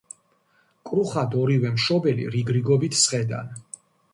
კრუხად ორივე მშობელი რიგრიგობით სხედან.